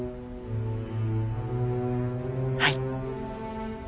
はい。